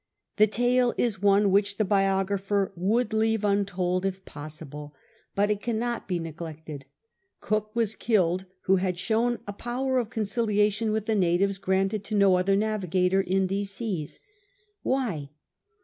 The tale is one which the biographer would leave untold if possible. But it cannot bo neglected. Cook was killed, who had shown a t)owcr of conciliation with the natives granted to no other navigjitor in these seas — Why